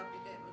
apa yang mau nek